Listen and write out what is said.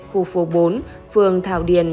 khu phố bốn phường thảo điền